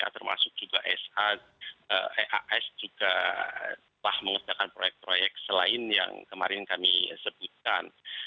termasuk juga eas juga telah mengerjakan proyek proyek selain yang kemarin kami sebutkan